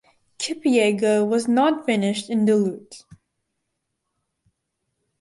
Kipyego was not finished in Duluth.